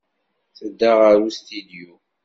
Tedda ɣer ustidyu.